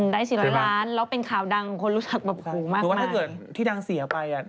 ได้๔๐๐ล้านแล้วเป็นข่าวดังคนรู้จักแบบหูมากหรือว่าถ้าเกิดที่ดังเสียไป